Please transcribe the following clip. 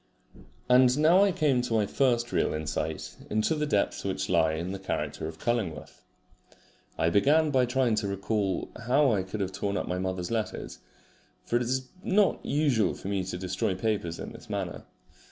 And now I came to my first real insight into the depths which lie in the character of Cullingworth. I began by trying to recall how I could have torn up my mother's letters, for it is not usual for me to destroy papers in this manner.